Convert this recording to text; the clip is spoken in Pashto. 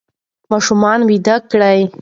ماشومان ویده کړئ.